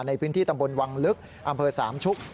ในพื้นที่ตำบลวังลึกอำเภอสามชุก